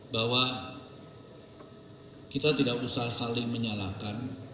bahwa kita tidak usah saling menyalahkan